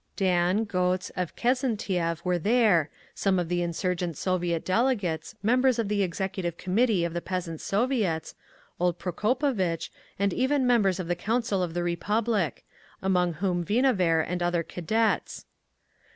Dan, Gotz, Avkesntiev were there, some of the insurgent Soviet delegates, members of the Executive Committee of the Peasants' Soviets, old Prokopovitch, and even members of the Council of the Republic—among whom Vinaver and other Cadets.